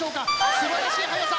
すばらしい速さ。